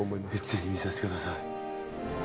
ぜひ見させて下さい。